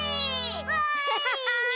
わい！